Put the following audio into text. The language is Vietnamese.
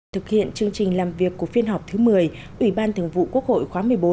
thực hiện chương trình làm việc của phiên họp thứ một mươi ủy ban thường vụ quốc hội khóa một mươi bốn